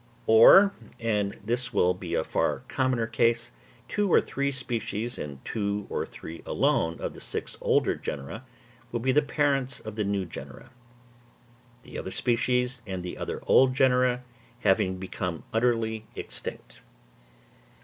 Or, and this will be a far commoner case, two or three species in two or three alone of the six older genera will be the parents of the new genera: the other species and the other old genera having become utterly extinct.